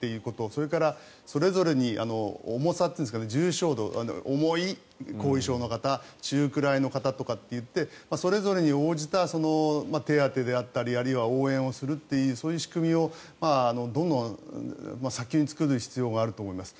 それから、それぞれに重さというか、重症度重い後遺症の方中くらいの方とかっていってそれぞれに応じたその手当であったりあるいは応援するというそういう仕組みをどんどん早急に作る必要があると思います。